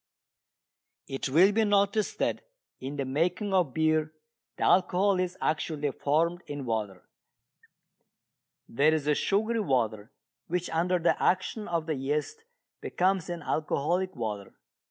It will be noticed that in the making of beer the alcohol is actually formed in water. There is a sugary water which under the action of the yeast becomes an alcoholic water.